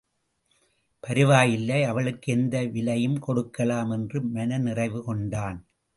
பரவாயில்லை அவளுக்கு எந்த விலையும் கொடுக்கலாம் என்று மன நிறைவு கொண்டான்.